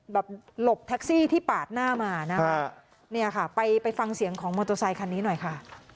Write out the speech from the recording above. หลบแท็กซี่ที่ปาดหน้ามานะคะเนี่ยค่ะไปไปฟังเสียงของมอเตอร์ไซคันนี้หน่อยค่ะ